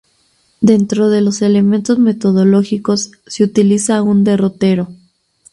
Dentro de los elementos metodológicos, se utiliza un derrotero.